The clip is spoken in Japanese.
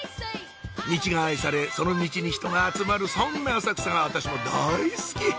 ミチが愛されそのミチに人が集まるそんな浅草が私も大好き！